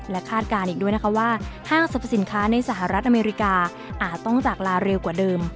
คาดการณ์อีกด้วยนะคะว่าห้างสรรพสินค้าในสหรัฐอเมริกาอาจต้องจากลาเร็วกว่าเดิม